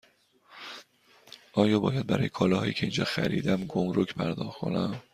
آیا باید برای کالاهایی که اینجا خریدم گمرگ پرداخت کنم؟